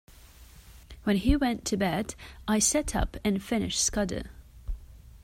When he went to bed I sat up and finished Scudder.